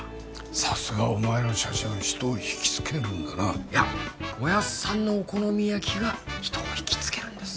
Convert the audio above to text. さすがお前の写真は人を引きつけるんだないやおやっさんのお好み焼きが人を引きつけるんです・